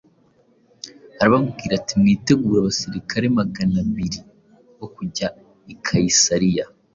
arababwira ati ‘Mwitegure abasirikari magana abiri bo kujya i Kayisariya,